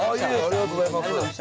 ありがとうございます。